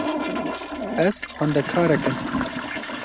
Ez xwendekarek im.